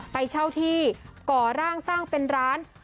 ไปเช่าที่ก่อร่างสร้างเป็นร้าน